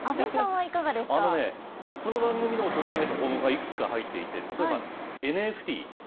あのね、この番組でも取り上げた項目がいくつか入っていて、例えばＮＦＴ。